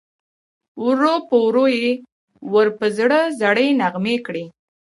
ورو په ورو یې ور په زړه زړې نغمې کړې